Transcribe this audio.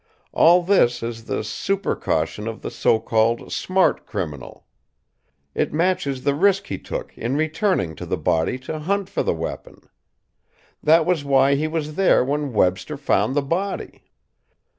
All this is the supercaution of the so called 'smart criminal.' It matches the risk he took in returning to the body to hunt for the weapon. That was why he was there when Webster found the body.